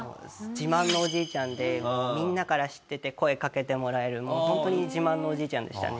自慢のおじいちゃんでもうみんなから知ってて声かけてもらえるもうホントに自慢のおじいちゃんでしたね。